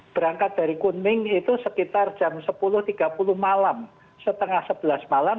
berangkat dari kuning itu sekitar jam sepuluh tiga puluh malam setengah sebelas malam